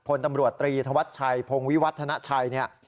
พลตำรวจตรีธวัดชัยพงวิวัฒนชัย